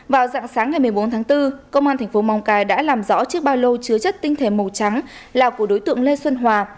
vào dạng sáng ngày một mươi bốn tháng bốn công an thành phố móng cái đã làm rõ chiếc ba lô chứa chất tinh thể màu trắng là của đối tượng lê xuân hòa